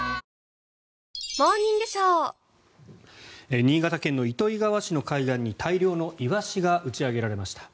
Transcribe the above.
新潟県の糸魚川市の海岸に大量のイワシが打ち上げられました。